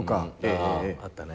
あったね。